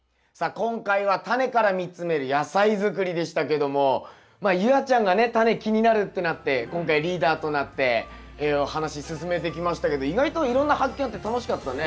今回は「タネから見つめる野菜づくり」でしたけどもまあ夕空ちゃんがねタネ気になるってなって今回リーダーとなってお話進めてきましたけど意外といろんな発見あって楽しかったね。